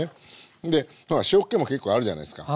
で塩っ気も結構あるじゃないですか？